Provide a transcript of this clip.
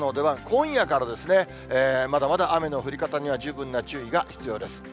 今夜からですね、まだまだ雨の降り方には十分な注意が必要です。